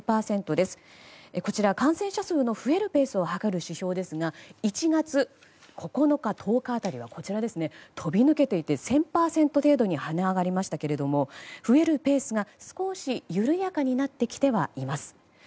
こちら、感染者数の増えるペースを測る指標ですが１月９日、１０日辺りは飛び抜けていて１０００％程度に跳ね上がりましたが増えるペースが少し緩やかになってきてはいます。